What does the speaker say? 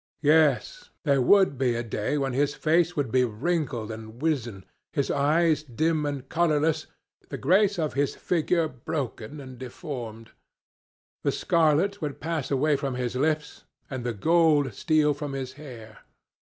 Yes, there would be a day when his face would be wrinkled and wizen, his eyes dim and colourless, the grace of his figure broken and deformed. The scarlet would pass away from his lips and the gold steal from his hair.